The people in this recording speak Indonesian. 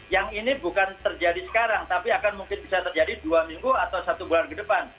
yang ini bukan terjadi sekarang tapi akan mungkin bisa terjadi dua minggu atau satu bulan ke depan